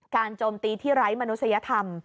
โจมตีที่ไร้มนุษยธรรม